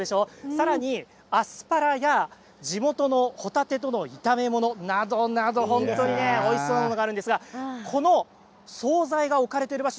さらに、アスパラや地元のほたてとの炒め物などなど本当においしそうなのがあるんですがこの総菜が置かれている場所